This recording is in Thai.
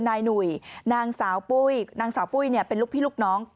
นายหนุ่ยนางสาวปุ้ยนางสาวปุ้ยเป็นลูกพี่ลูกน้อง